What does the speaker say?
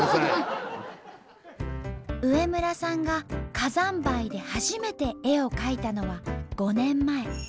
植村さんが火山灰で初めて絵を描いたのは５年前。